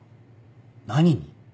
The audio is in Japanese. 何に？